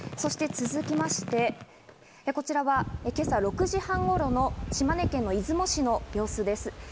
続きまして、こちらは今朝６時半頃の島根県の出雲市の様子です。